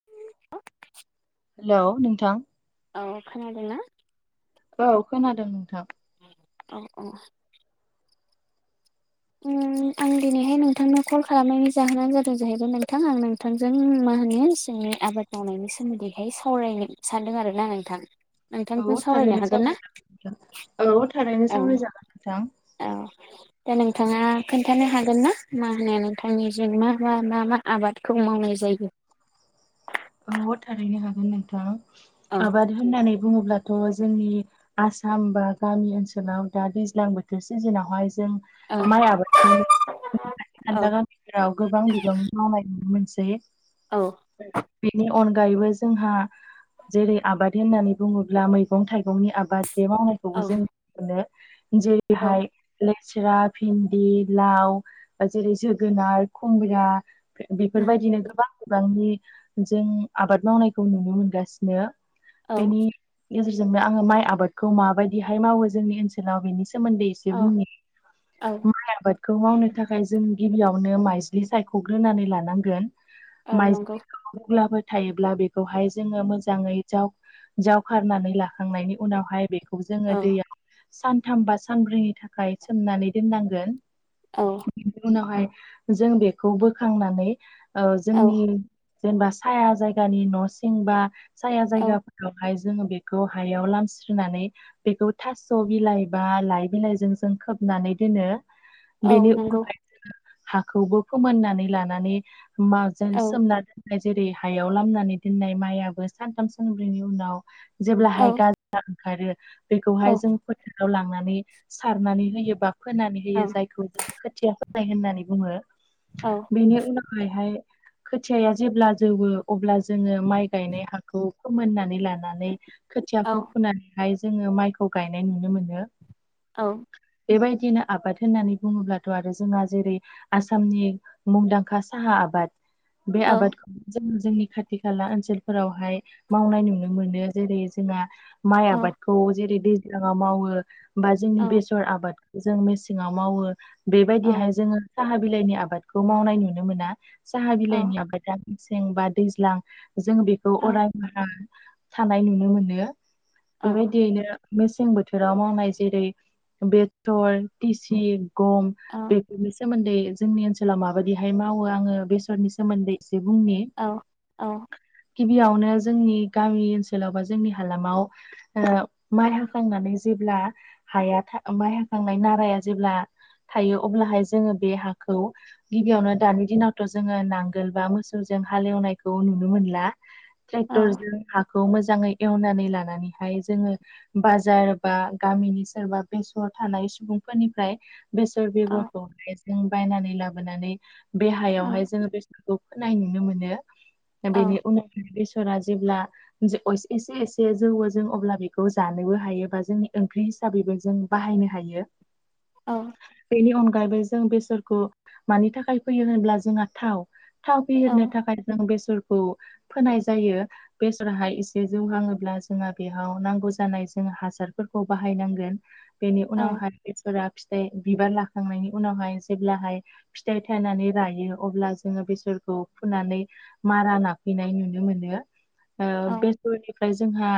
[inaudible] Hello नोंथां। औ खोनादों ना? औ खोनादों नोंथां। औ औ। ओम आं दिनैहाय नोंथांनो कल खालामनायनि जाहोनानो जादों जाहैबाय नोंथां आं नों थांजों मा होनो जोंनि आबाद मावनायनि सोमोन्दैहाय सावरायनो सानदों आरोना नोंथां। [inaudible] औ सावरायनो थारैनो हागोन ना सावराय जागोन नोंथां। औ थारैनो औ सावरायनाय जागोन नोंथां औ दा नोंथाङा खोन्थानो हागोन ना मा होनो नोंथांनि जेंना बा मा मा आबादखौ मावनाय जायो। औ थारैनो हागोन नोंथां औ आबाद होननानै बुङोब्लाथ' जोंनि आसाम बा गामि ओनसोलाव दा दैज्लां बोथोर सिजोनावहाय जों औ माइ औ आबादागोन गेराव गोबां बिबां मावनाय नुनो मोनसै औ बेनि अनगायैबो जोंहा जेरै आबाद होननानै बुङोब्ला मैगं थाइगंनि आबाद बे मावनाय औ खौ जों मोनो औ जेरैहाय लेस्रा, भिन्दि, लाव जेरै जोगोनार, खुमब्रा उम बेफोरबायदिनो गोबां बिबांनि जों आबाद मावनायखौ नुनो मोनगासिनो। औ बिनि गेजेरजोंनो आङो माइ आबादखौ माबायदिहाय मावो जोंनि ओनसोलाव बेनि सोमोन्दै औ बुंनो। औ माइ आबाद खौ मावनो थाखाय जों गिबियावनो माइज्लि सायख'ग्रोनानै लानांगोन। औ माइज्लि नंगौ अब्लाबो थायोब्ला बेखौहाय जोङो मोजाङै जाव जावखारारनानै लाखांनायनि उनावहाय बेखौ खौ जोङो औ दैयाव सानथाम बा सानब्रैनि थाखाय सोमनानै दोननांगोन। औ बिनि उनावहाय जों बेखौ बोखांनानै औ जोंनि जेनेबा साया जायगानि न' सिं बा साया औ जायगाफोरावहाय जोङो बेखौ हायाव लामस्रिनानै बेखौ थास' बिलाइ बा लाइ बिलाइजों जों खोबनानै दोनो औ बेनि नंगौ उनावहाय जोो हाखौबो फोमोननानै लानानै माजों औ सोमनानै जेरै हायाव लामनानै दोननाय माइआो सानथाम सानब्रैनि उनाव जेब्लाहाय औ गाज्रि ओंखारो औ बेखौहाय जों फोथाराव लांनानै सारनानै होयोबा फोनानै औ होयो जायखौ जों खोथिया फोनाय होननानै बुङो। औ बेनि उनावहहाय फुथियाया जेब्ला जौवो अब्ला जोङो माइ गायनाय हाखौ फोमोननानै लानानै नानै खोथियाखौ औ फुनानैहाय जोङो माइखौ गायनाय नुनो मोनो। औ बेबायदिनो आबाद होननानै बुङोब्लाथ' आरो जोंहा जेरै आसामनि मुंदांखा साहा आबाद बे औ आबादखौ जों जोंनि खाथि खाला ओनसोलफोरावहाय मावनाय नुनो मोनो। जेरै जोंहा माइ औ आबादखौ जेरै दैज्लांआव मावो बा औ जोंनि बेसर आबाद जों मेसेङाव मावो औ बेबायदिहाय जोङो साहा बिलाइनि आबादखौ मावनाय नुनो मोना साहा बिलाइनि म दा मेसें बा दैज्लां जों बेखौ औ अराय बारा थानाय नुनो मोनो औ बेबायदियैनो मेसें बोथोराव मावनाय जेरै बेदर तिसि गम बे बेनि सोमोन्दै जोंनि ओनसोलाव माबायदिहाय मावो आङो बेसरनि सोमोन्दै एसे बुंनि औ औ गिबियावनो जोंनि गामि ओनसोलाव बा जोंनि हालामाव ओ‌माइ हाखांनानै जेब्ला हाया माइ हाखांनाय नाराया जेब्ला थायो अब्लाहाय जोङो बे हाखौ गिबियावनो दानि दिनावथ' जोङो नांग नांगोलबा मोसौजों हालेवनायखौ नुनो मोनला औ टेक्टरजों हा खौ मोजाङै एवनानै लानानैहाय जोङो बाजार बा गामिनि सोरबा बेसर थानाय सुबुंफोरनिफ्राय बेसर बेगरखौहाय जों बायनानै लाबोनानै बेहायावहाय जोङो बे फोनाय नुनो मोनो बेनि उनाव बेसरा जेब्ला एसे एसे जौ हो जों अब्ला बेखौ जानोबो हायोबा जोंनि ओंख्रिब हिसाब बेबो जों बाहायनो हायो। औ। बेनि अनगायैबो जों बेसरखौ मानि थाखाय फैयो होनब्ला जोंहा थाव थाव फहेरनो थाखाय जों बेसरखौ फोनाय जायो। बेसराहाय एसे जौगाङोब्ला जोंहा बेयाव नांगौ जानाय जों हासारफोरखौ बाहायनांगोन बेनि उनावहाय बेसरा फिथाइ बिबार लाखांनायनि उनावहाय जेब्लाहाय फिथाइ थाइनानै रायो अब्ला जों बेसोरखौ फुनानै मारा नाफैनाय नुनो मोनो। औ सनिफ्राय जोंहा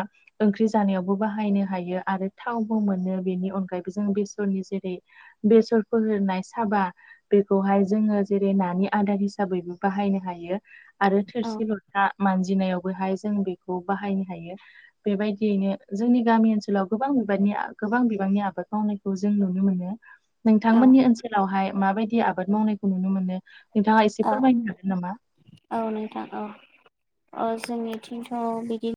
ओंख्रि जानायावबो बाहायनो हायो आरो थावबो मोनो बेनि अनगायैबो जों बेसरनि जेरै बेसर फो होनाय साबा बेखौहाय जोङो जेरै नानि आदार हिसाबै हिसाबैबो बाहायनो हायो। आरो थोरसि लथा मानजिनायावबोहाय जों बेखौ बाहायनो हायो बेबायदियैनो जोंनि गामि ओनसोलाव गोबां बिबारनि गोबां बिबांनि आबाद मावनायखौ जों नुनो मोनो। नोंथांमोननि ओनसोलावहाय माबायदि आबाद मावनायखौ नुनो मोनो नोंथाङा? एसे फोरमायनो हागोन नामा? औ नोंथां औ ओ‌जोंनिथिंथ' बिदि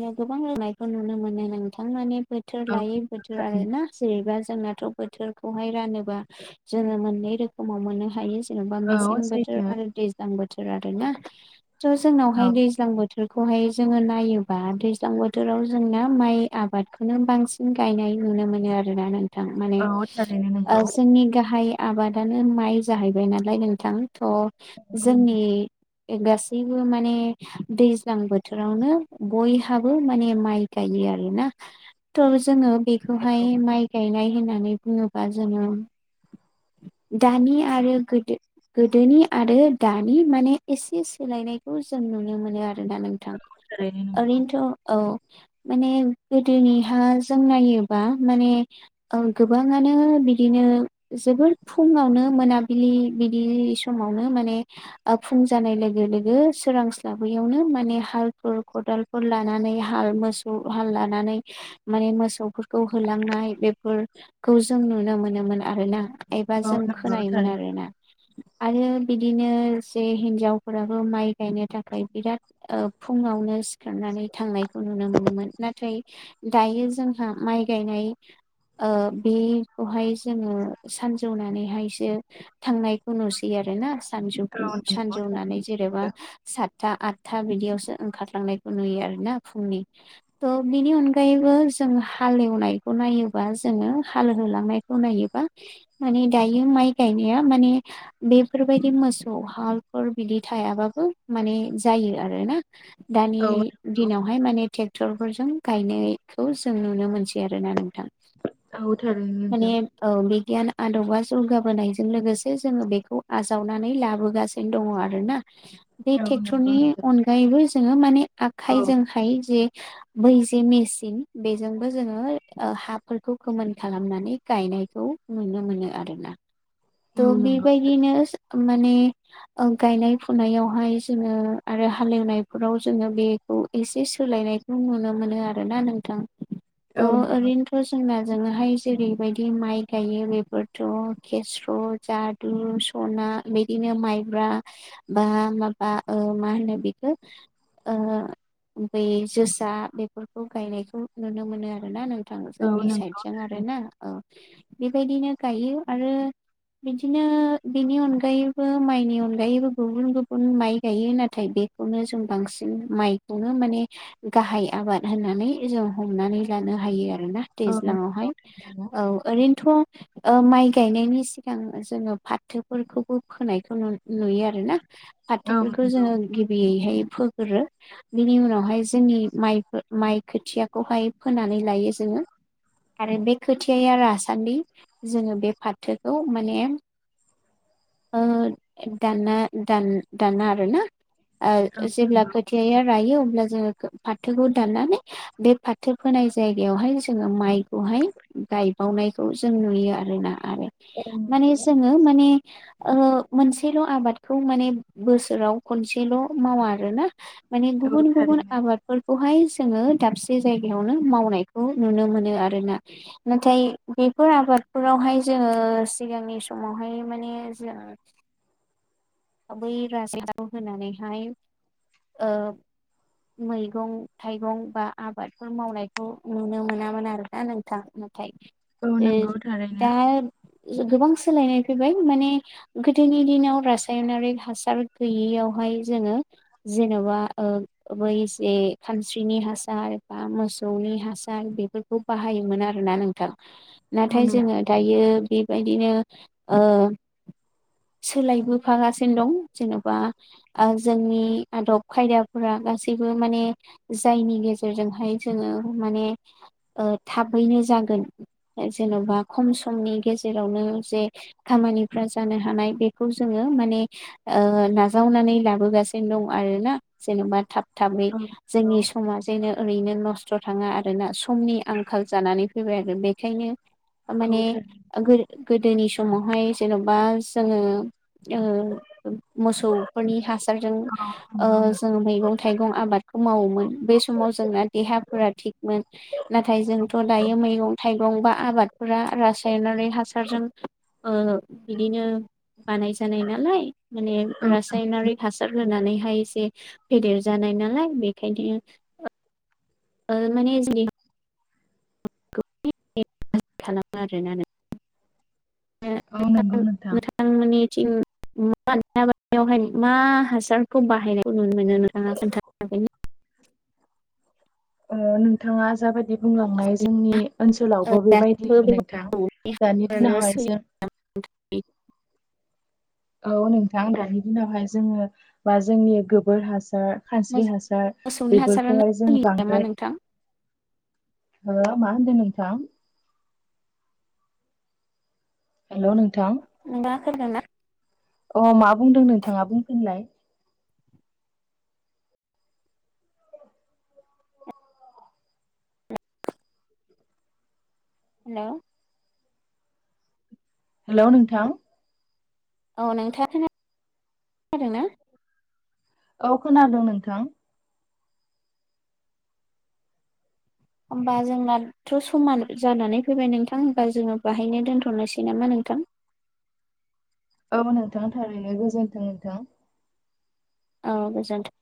याव गोबां रोंनायखौ नुनो मोनो नोंथां मानिे बोथोर औ लायै बोथोर आरो थारैनो। ना जेनैबा जोंनाथ' बोथोरखौहाय रानोबा जोङो मोननै रोखोमाव मोननो हायो। जेन'बा औ मेसें बोथोर सैथो आरो दैज्लां बोथोर आर ना थ' औ जोंनावहाय दैज्लां बोथोरखौहाय जोङो नायो बा दैज्लां बोथोराव जोंना माइ आबादखौनो बांसिन गायनाय नुनो मोनो आरोना नों माने औ थारैनो नंगौ। जोंनि गाहाय आबादानो माइ जाहैबाय नालाय नोंथां थ' नंगौ। जोंनि गासैबो माने दैज्लां बोथोरावनो बयहाबो माने माइ गायो आरोना थ' जोङो औ बेखौहाय माइ गायनाय होननानै बुङोबा जोङो दानि आरो गोदो गोदोनि आरो दानि माने एसे सोलायनायखौ जों नुनो मोनो आरोना नों नोंथां थारैनो नंगौ ओरैनोथ' औ माने गोदोनिहा जों नायोबा माने- औ गोबाङानो बिदिनो जोबोर फुङावनो मोनाबिलि बिलि समावनो माने ओ फुं जानाय लोगो लोगो सोरांस्लाबैयावनो माने हालफोर खदाल फोर लानानै हाल मोसौ हाल लानानै माने मोसौफोरखौ होलांनाय बेफोरखौ जों नुनो मोनोमोन आरो ना। एबा औ जों नंगौ खोनायोमोन आरो थारैनो। ना। आरो बिदिनो जे हिनजावफोराबो माइ गायनो थाखाय बिराद ओ फुङावनो सिखारनानै थांनायखौ नुनो मोनोमोन। नाथाय दायो जोंहा माइ गायनाय ओ बेखौहाय जोङो सानजौनानैहायसो थांनाय नुसै आरो ना। सानजौ सानजौनानै जेनेबा सातथा आथथा बिदियावसो ओंखारलांनायखौ नुयो आरोना फुंनि। थ' बिनि अनगायैबो जों हाल एवनायखौ नायोबा जोङो हाल होलांनायखौ नायोबा माने दायो माइ गायनाया माने बेफोरबायदि मोसौ हालफोर बिदि थायाबाबो माने जायो आरो ना। दानि औ दिनावहाय माने ट्रेक्टरफोरजों गायनायखौ जों नुनो मोनसै आरोना नों थां औ थारैनो माने नोंथां। औ बे गियान आदबा जौगाबोनायजों लोगोसे जोङो बेखौ आजावनानै लाबोगासिनो दङ आरो ना। बे औ नंगौ टेक्टरनि नोंथां अनगायैबो जोङो माने औ आखायजोंहाय जे बै जे मेचिन बेजोंबो जोङो ओ हाफोरखौ गोमोन खालामनानै गायनायखौ नुनो मोनो आरो ना। औ थ' नंगौ थारैनो। बेबायदिनो माने ओ गायनाय फुनायावहाय जोङो आरो हालेवनायफोराव जोङो। बे खौ एसे सोलायनायखौ नुनो मोनो आरोना नोंथां। थ' औ नंगौ ओरैनोथ' जोंना जोङोहाय जेरैबायदि मायख गायो बेफोरथ' खेस्र', जादु, सना बिदिनो माइब्रा बा माबा ओ मा होनो बेखो? ओ बै जोसा बेफोरखौ गायनायखौ नुनो मोनो आरो ना नो थां औ जोंनि नंगौ सायदजों आरो थारैनो ना औ बेबायदिनो गायो। आरो बिदिनो बिनि अनगायैबो मायनि अनगायैबो गुबुन गुबुन माइ गायो। नाथाय बे खौनो जों बांसिन माइखौनो माने गाहाय आबाद होननानै जों हमनानै लानो हायो आरो ना। दैज्लांआवहाय औ ओरै नोथ' ओ माइ गायनायनि सिगां जोङो फाथोफोरखौबो फोनायखौ नु-नुयो आरो ना। औ फाथोफोरखौ नंगौ थारैनो औ नंगौ जोङो गिबियैहाय फोग्रो बिनि उनावहाय जोंनि मायफो माइ खोथियाखौहाय फोनानै लायो जोङो। आरो बे खोथायया रासान्दि जोङो बे फाथोखौ माने ओ दाना दान दाना आरो ना। आ औ जेब्ला नंगौ खोथियाया रायो अब्ला जोङो फाथोखौ दाननानै बे फाथो फोनाय जायगायावहाय जोङो माइखौहाय गायबावनाय खौ जों नुयो आरो ना। आरो औ माने नंगौ जोङो माने ओ मोनसेल' आबादखौ माने बोसोराव खनसेल' मावा आरो ना। माने औ गुबुन गुबुन थारैनो आबाद फोरखौहाय जोङो दाबसे जायगायावनो मावनायखौ नुनो मोनो आरो ना। नाथाय बेफोर आबादफोरावहाय जोङो सिगांनि समावहाय माने जों बै राजाव होनानैहाय ओ मैगं थाइगं बा आबादफोर मावनायखौ नुनो मोना मोन आरो। दा नोंथां नाथाय औ ओ नंगौ थारैनो दा जो गोबां सोलायनाय फैबाय माने गोदोनि दिनाव गास रासायनारि हासार गैयियावहाय जोङो जेन'बा ओ बै जे खानस्रिनि हासार बा मोसौनि हासार बेफोर बेखौ बाहायोमोन आरोना नोंथां। औ नंगौ औ नंगौ नाथाय जोङो औ दायो बेबायदिनो ओ सोलायबो फागासिनो दं जेन'बा आ जोंनि आदब खायदाफोरा गासैबो माने जायनि गेजेरजोंहाय जोङो माने थाबैनो जागोन। ओ जेन'बा खम समनि गेजेरावनो जे खामानिफ्रा जानो हानाय बेखौ जोङो माने ओ नाजावनानै लाबोगासिनो दं आरोना जेन'बा थाब थाबै थारैनो जोंनि समाज जेङो ओरैनो नस्थ' थाङा आरोना समनि आंखाल जानानै फैबाय आरो बेखायनो औ माने गोदोनि समावहाय जेन'बा जोङो ओ मोसौफोरनि हासारजों नंगौ ओ जोङो मैगं थाइगं आबादखौ मावोमोन बे समाव जोंना देहाफोरा थिगमोन नाथाय जोंथ' नंगौ दायो मैगं थाइगं बा आबादफोरा रासायनारि हासारजों ओ बिदिनो बानाय जानाय नालाय माने औ रासायनारि हासार होनानैहाय एसे फेदेर जानाय नालाय बेखायनो‌ ओ माने जेरै खालामो आरोना नोंथां। औ नंगौ [unintelligible] नोंथां मोनिथिं [unintelligible] बेवहाय मा हासारखौ बाहायनायखौ नुनो मोनो नोंथाङा खोन्थानो हागोनना। ओ नोंथाङा जाबायदि बुंलांनाय जोंनि ओनसोलावबो दासिमबो बे बेबायदियैनो नोंथां दानि हासारानो दिनावहाय सोलियो जों औ नोंथां दानि दिनावहाय जोङो बा जोंनि गोबोर हासार खानस्रि हासार मोसौनि हासारानो बेफोरखौहाय जों सोलियो नामा बांद्राय नोंथां हो मा होनदों नोंथां। हेल' नोंथां। नोंथां खोनादोंना? अ मा बुंदों नोंथाङा बुंफिनलाय। हेल'। हेल' नोंथां। औ नोंथाङा खोनादोंना। औ खोनादों नोंथां। होमबा जोंना थ' समा जानानै फैबाय नोंथां होमबा जोङो बाहायनो दोनथ'नोसै नामा नोंथां। औ नोंथां थारैनो गोजोन्थों नोंथां। औ गोजोन्थों।